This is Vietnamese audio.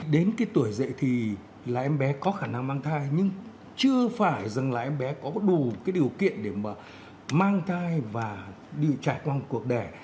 đến tuổi dậy thì em bé có khả năng mang thai nhưng chưa phải là em bé có đủ điều kiện để mang thai và trải qua cuộc đẻ